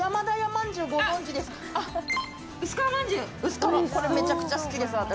薄皮、これめちゃくちゃ好きです、私。